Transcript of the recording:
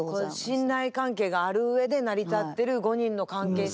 信頼関係がある上で成り立ってる５人の関係性みたいなのが。